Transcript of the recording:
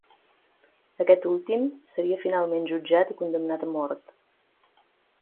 Aquest últim seria finalment jutjat i condemnat a mort.